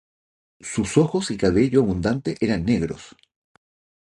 Sus ojos y cabello abundante eran negros.